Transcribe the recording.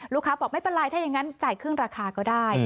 บอกไม่เป็นไรถ้าอย่างนั้นจ่ายครึ่งราคาก็ได้